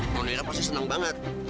nenek pasti senang banget